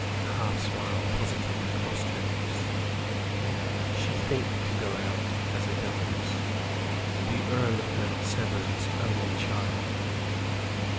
A half smile positively crossed her lips. She think to go out as a governess! the Earl of Mount Severn's only child!